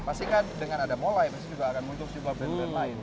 pasti kan dengan ada molai pasti juga akan muncul juga brand brand lain